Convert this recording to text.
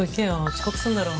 遅刻すんだろ。